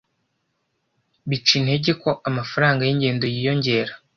Bica intege ko amafaranga yingendo yiyongera